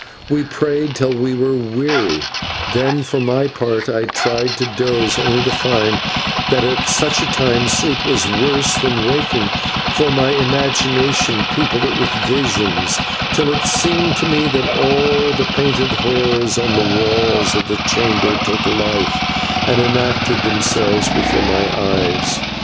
We prayed till we were weary, then for my part I tried to doze, only to find that at such a time sleep was worse than waking, for my imagination peopled it with visions till it seemed to me that all the painted horrors on the walls of the chamber took life, and enacted themselves before my eyes.